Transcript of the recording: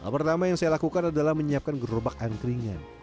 pertama yang saya lakukan adalah menyiapkan gerobak angkringan